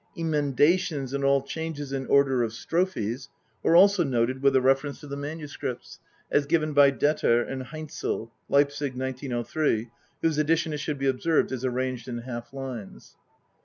Emendations and all changes in order of strophes are also noted with a reference to the MSS. as given by Detter and Heinzel (Leipzig, 1903), whose edition, it should be observed, is arranged in half lines.